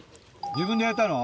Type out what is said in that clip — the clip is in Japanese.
自分で焼いたの？